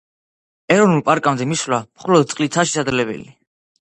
ეროვნულ პარკამდე მისვლა მხოლოდ წყლითაა შესაძლებელი.